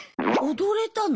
踊れたの？